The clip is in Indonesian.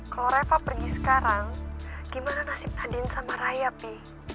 kalau reva pergi sekarang gimana nasib nadine sama rayap nih